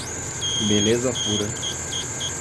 Beleza pura.